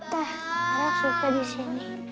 teh ara suka di sini